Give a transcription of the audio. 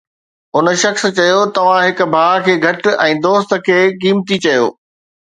ان شخص چيو: توهان هڪ ڀاءُ کي گهٽ ۽ دوست کي قيمتي چيو